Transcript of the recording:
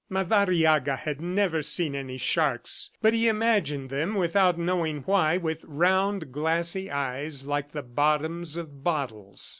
Madariaga had never seen any sharks, but he imagined them, without knowing why, with round, glassy eyes, like the bottoms of bottles.